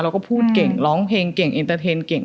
พูดเก่งร้องเพลงเก่งเอ็นเตอร์เทนเก่ง